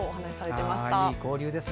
いい交流ですね。